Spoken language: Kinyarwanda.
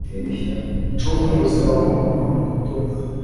Incungu y’ubuzima bw’umuntu ni umutungo